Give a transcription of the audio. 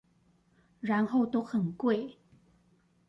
然後都很貴！